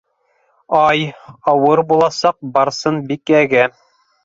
Ай, ауыр буласаҡ Барсынбикәгә!